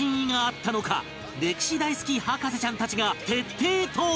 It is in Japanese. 歴史大好き博士ちゃんたちが徹底討論